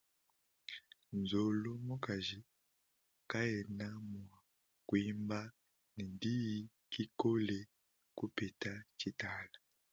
Nzolo mukaji kayena mua kuimba ne diyi kikole kupita tshitala.